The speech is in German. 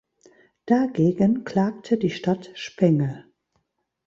Dagegen klagte die Stadt Spenge.